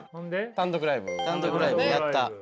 単独ライブやった。